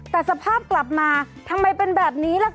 แต่สภาพกลับมาทำไมเป็นแบบนี้ล่ะค่ะ